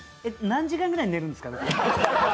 何時間ぐらい寝るんですかね？